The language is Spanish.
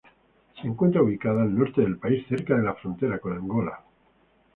Se encuentra ubicada al norte del país, cerca de la frontera con Angola.